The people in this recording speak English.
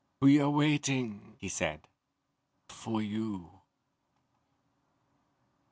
"We are waiting," he said, "for you."